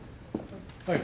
はい。